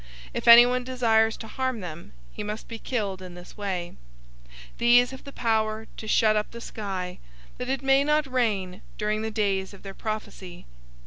If anyone desires to harm them, he must be killed in this way. 011:006 These have the power to shut up the sky, that it may not rain during the days of their prophecy.